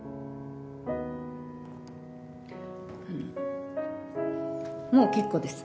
あのもう結構です